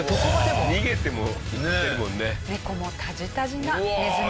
逃げてもいってるもんね。